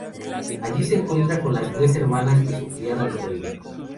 Allí se encuentra con las tres hermanas y su criada androide.